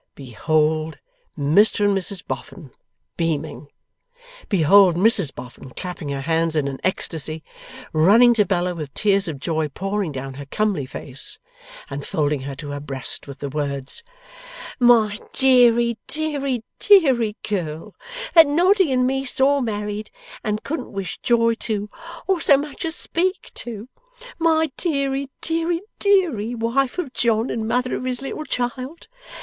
Behold Mr and Mrs Boffin, beaming! Behold Mrs Boffin clapping her hands in an ecstacy, running to Bella with tears of joy pouring down her comely face, and folding her to her breast, with the words: 'My deary deary, deary girl, that Noddy and me saw married and couldn't wish joy to, or so much as speak to! My deary, deary, deary, wife of John and mother of his little child!